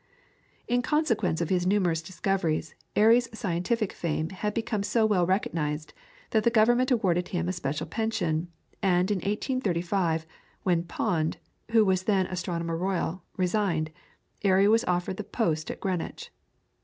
In consequence of his numerous discoveries, Airy's scientific fame had become so well recognised that the Government awarded him a special pension, and in 1835, when Pond, who was then Astronomer Royal, resigned, Airy was offered the post at Greenwich.